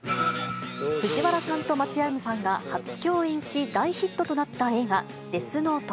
藤原さんと松山さんが初共演し、大ヒットとなった映画、デスノート。